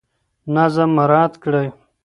نظم مراعات کړئ.